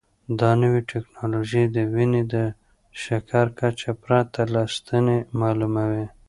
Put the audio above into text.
دا نوې ټیکنالوژي د وینې د شکر کچه پرته له ستنې معلوموي.